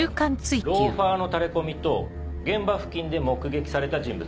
ローファーのタレコミと現場付近で目撃された人物。